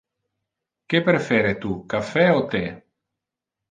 Que prefere tu: caffe o the?